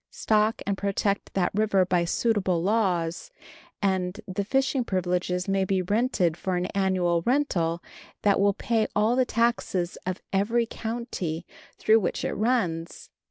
Stock and protect that river by suitable laws, and the fishing privileges may be rented for an annual rental that will pay all the taxes of every county through which it runs.